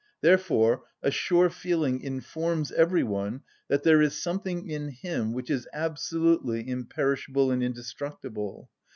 Therefore a sure feeling informs every one that there is something in him which is absolutely imperishable and indestructible.